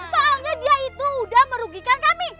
soalnya dia itu udah merugikan kami